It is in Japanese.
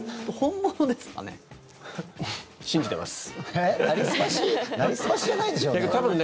なりすましじゃないでしょうね？